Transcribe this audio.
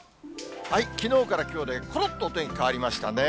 きのうからきょうでころっとお天気変わりましたね。